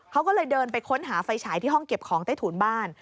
เขาก็เลยเดินไปค้นหาไฟฉายที่ห้องเก็บของใต้ถุนบ้าน